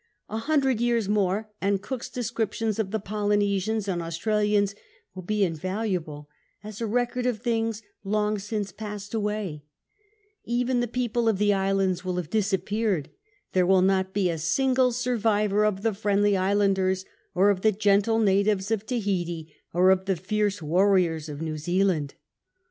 A hundred years more and Cook's descrip tions of the Polynesians and Austi*alians will bo invalu able as a record of things long since passed away ; even the people of the islands will have disappeared ; there will not be a single survivor of the Friendly Islanders, or of the gentle natives of Tahiti, or of the fierce warriors of New Zealand.